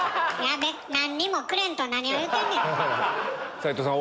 斎藤さん